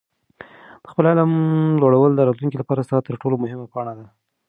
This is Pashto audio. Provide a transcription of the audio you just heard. د خپل علم لوړول د راتلونکي لپاره ستا تر ټولو مهمه پانګه ده.